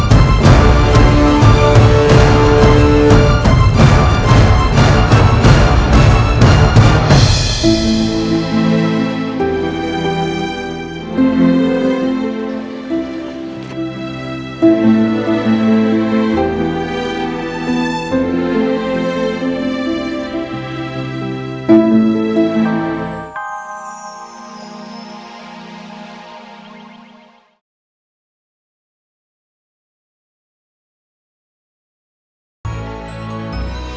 sekarang antarkan aku ke kamar